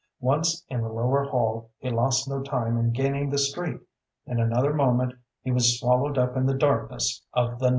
Once in the lower hall he lost no time in gaining the street. In another moment he was swallowed up in the darkness of the night.